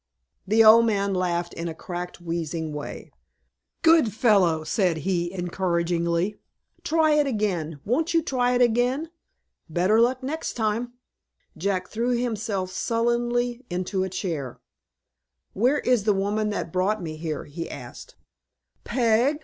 The old man laughed in a cracked, wheezing way. "Good fellow!" said he, encouragingly, "try it again! Won't you try it again? Better luck next time." Jack throw himself sullenly into a chair. "Where is the woman that brought me here?" he asked. "Peg?